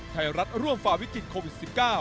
ไทยรัฐร่วมฝ่าวิกฤตโควิด๑๙